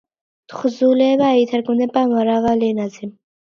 თხზულება ითარგმნა მრავალ ენაზე.